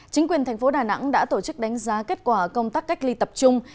chính quyền tp đà nẵng đã tổ chức đánh giá kết quả công tác cách ly tập trung